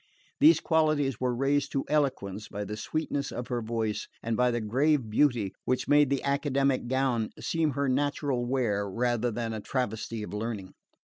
These qualities were raised to eloquence by the sweetness of her voice, and by the grave beauty which made the academic gown seem her natural wear, rather than a travesty of learning.